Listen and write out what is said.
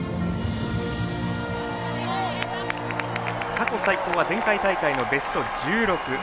過去最高は前回大会のベスト１６。